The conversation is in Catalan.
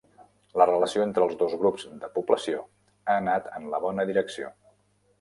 La relació entre els dos grups de població ha anat en la bona direcció.